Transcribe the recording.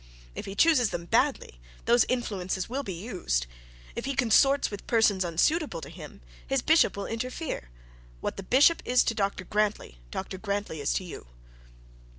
If he chooses them badly, those influences will be used. If he consorts with persons unsuitable to him, his bishop will interfere. What the bishop is to Dr Grantly, Dr Grantly is to you.'